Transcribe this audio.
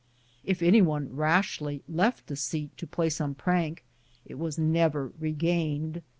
If any one rashly left a seat to play some prank it was never regained.